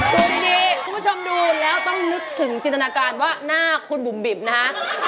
มุมดีคุณผู้ชมดูแล้วต้องนึกถึงจินตนาการว่าหน้าคุณบุ๋มบิ๋มนะฮะ